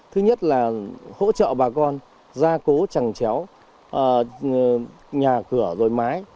thứ nhất là hỗ trợ bà con gia cố chẳng chéo nhà cửa rồi mái